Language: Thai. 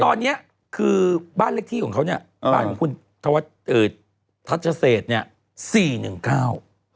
ตอนนี้คือบ้านเลขที่ของเขาเนี่ยบ้านของคุณทัชเศษเนี่ยสี่หนึ่งเก้า